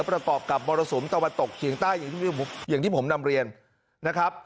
ประกอบกับมรสุมตะวันตกเฉียงใต้อย่างที่ผมนำเรียนนะครับ